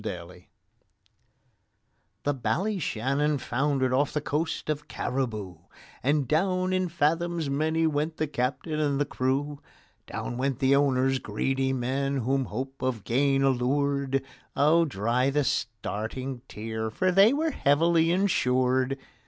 THE Ballyshannon foundered off the coast of Cariboo, And down in fathoms many went the captain and the crew; Down went the owners—greedy men whom hope of gain allured: Oh, dry the starting tear, for they were heavily insured.